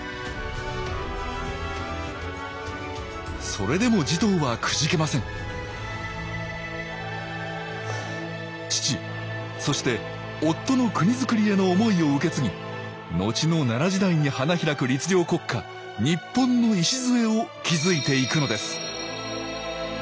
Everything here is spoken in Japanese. それでも持統はくじけません父そして夫の国づくりへの思いを受け継ぎのちの奈良時代に花開く律令国家日本の礎を築いていくのです